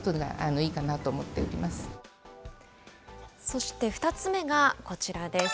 そして２つ目がこちらです。